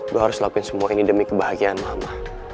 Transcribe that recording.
gue harus lakuin semua ini demi kebahagiaan mama